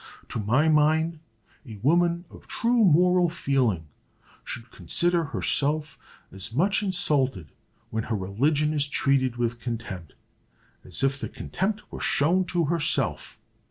To my mind, a woman of true moral feeling should consider herself as much insulted when her religion is treated with contempt as if the contempt were shown to herself.